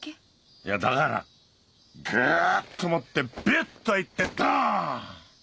いやだからグっと持ってビュっといってドン！